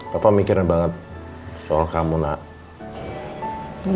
papa mikirin banget soal kamu nak